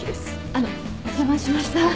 あのお邪魔しました